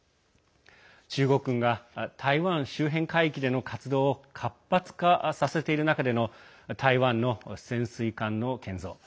中国軍が台湾周辺海域での活動を活発化させている中での台湾の潜水艇の建造。